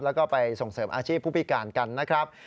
แล้วก็ไปส่งเสริมอาชีพผู้พิการกันนะครับ